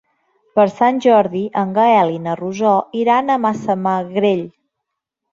Per Sant Jordi en Gaël i na Rosó iran a Massamagrell.